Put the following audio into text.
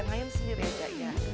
ngayun sendiri aja ya